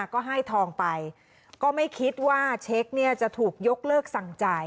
ก็ให้ทองไปก็ไม่คิดว่าเช็คเนี่ยจะถูกยกเลิกสั่งจ่าย